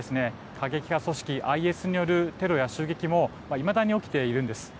過激派組織ＩＳによるテロや襲撃もいまだに起きているんです。